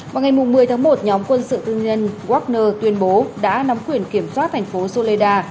vào ngày một mươi tháng một nhóm quân sự tư nhân wagner tuyên bố đã nắm quyền kiểm soát thành phố soleida